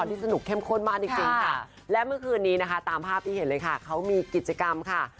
ฉันกลิ่นลองเป้าเกลียดมาเกินมาแต่ไหน